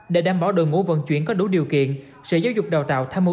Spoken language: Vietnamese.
để đảm bảo đội ngũ vận chuyển có đủ điều kiện sở giáo dục đào tạo tham mưu